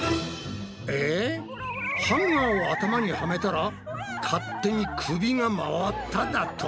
ハンガーを頭にはめたら勝手に首が回っただと？